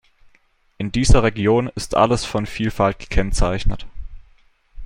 In dieser Region ist alles von Vielfalt gekennzeichnet.